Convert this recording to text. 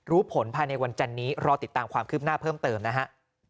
รู้ผลภายในวันจันนี้รอติดตามความคืบหน้าเพิ่มเติมนะฮะ